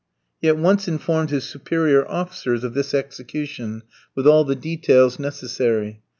He at once informed his superior officers of this execution, with all the details necessary.